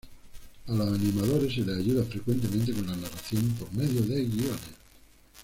A los animadores se les ayuda frecuentemente con la narración por medio de guiones.